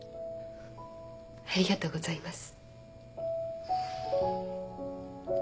ありがとうございます。